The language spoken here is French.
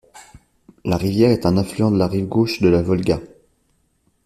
La rivière est un affluent de la rive gauche de la Volga.